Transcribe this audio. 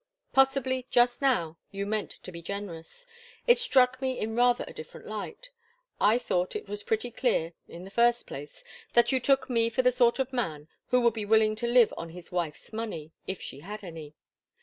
Possibly, just now, you meant to be generous. It struck me in rather a different light. I thought it was pretty clear, in the first place, that you took me for the sort of man who would be willing to live on his wife's money, if she had any.